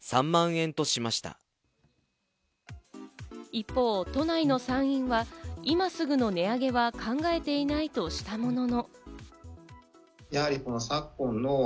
一方、都内の産院は今すぐの値上げは考えていないとしたものの。